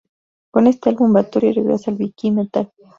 Con este álbum, Bathory regresa al viking metal.